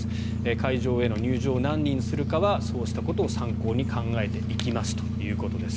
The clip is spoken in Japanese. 会場への入場を何人にするかはそうしたことを参考に考えていきますということです。